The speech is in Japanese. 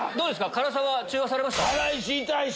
辛さは中和されました？